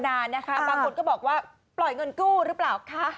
บางคนก็บอกว่าปล่อยเงินกู้หรือเปล่า